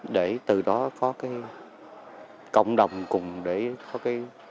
để từ đó có cái cộng đồng cùng để có cái